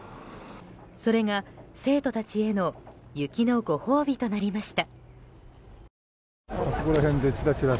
それが、生徒たちへの雪のご褒美となりました。